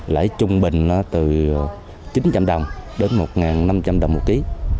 lãi trung bình từ chín trăm linh đồng đến một năm trăm linh đồng một ký